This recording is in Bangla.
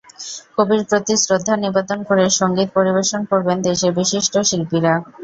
কবির প্রতি শ্রদ্ধা নিবেদন করে সংগীত পরিবেশন করবেন দেশের বিশিষ্ট শিল্পীরা।